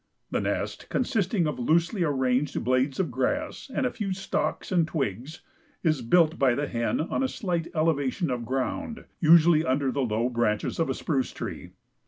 The nest, consisting of loosely arranged blades of grass and a few stalks and twigs, is built by the hen on a slight elevation of ground, usually under the low branches of a spruce tree.